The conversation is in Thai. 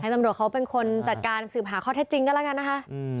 ตำรวจเขาเป็นคนจัดการสืบหาข้อเท็จจริงก็แล้วกันนะคะ